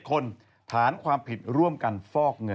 คนฐานความผิดร่วมกันฟอกเงิน